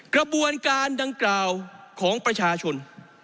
กระบวนการดังกล่าวของประชาชน